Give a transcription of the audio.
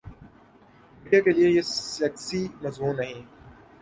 Media کیلئے یہ sexy مضمون نہیں۔